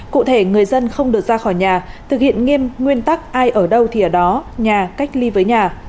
cụ thể người dân không được ra khỏi nhà thực hiện nghiêm nguyên tắc ai ở đâu thì ở đó nhà cách ly với nhà